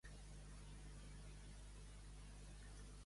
Eixe entropessa fins amb un pinyol de tàpera.